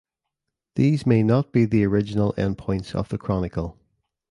These may not be the original end points of the chronicle.